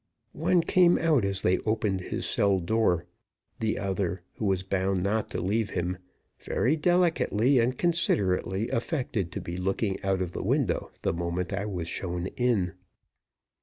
One came out as they opened his cell door. The other, who was bound not to leave him, very delicately and considerately affected to be looking out of window the moment I was shown in.